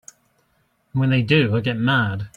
And when they do I get mad.